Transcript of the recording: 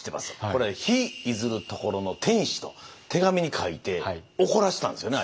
これは「日出ずる処の天子」と手紙に書いて怒らせたんですよね